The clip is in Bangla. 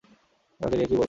আমাকে নিয়ে কী বলবো?